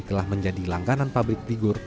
telah menjadi langganan pabrik figur